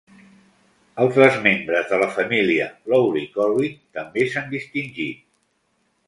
Altres membres de la família Lowry-Corry també s'han distingit.